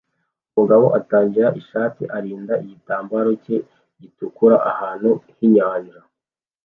Umugabo utagira ishati arinda igitambaro cye gitukura ahantu h'inyanja